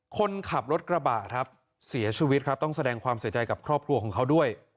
คนขับรถกระบะครับเสียชีวิตครับต้องแสดงความเสียใจกับครอบครัวของเขาด้วย